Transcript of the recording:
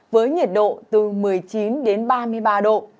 với nhiệt độ từ một mươi chín đến ba mươi ba độ